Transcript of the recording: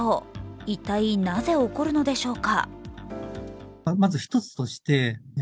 一体、なぜ起こるのでしょうか？